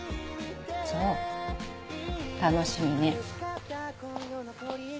そう楽しみね。